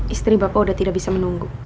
istri bapak sudah tidak bisa menunggu